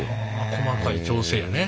細かい調整やね。